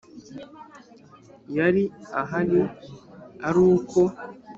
yari ahari ari uko